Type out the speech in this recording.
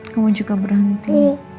kamu juga berhenti